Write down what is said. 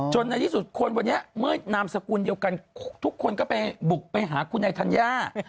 ในที่สุดคนวันนี้เมื่อนามสกุลเดียวกันทุกคนก็ไปบุกไปหาคุณไอธัญญา